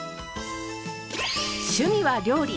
趣味は料理。